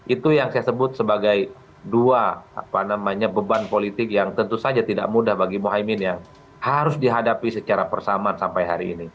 itu yang saya sebut sebagai dua beban politik yang tentu saja tidak mudah bagi mohaimin yang harus dihadapi secara persamaan sampai hari ini